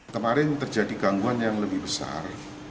kemarin terjadi gangguan yang lebih besar